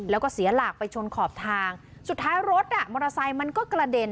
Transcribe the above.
แล้วก็เสียหลักไปชนขอบทางสุดท้ายรถอ่ะมอเตอร์ไซค์มันก็กระเด็น